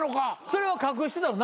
それは隠してたの？